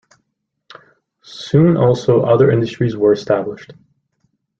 Soon also other industries were established.